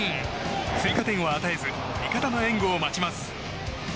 追加点は与えず味方の援護を待ちます。